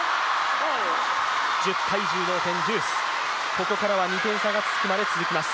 ここからは２点差がつくまで続きます。